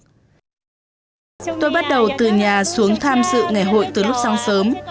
tôi bắt đầu từ nhà xuống tham dự ngày hội từ lúc sáng sớm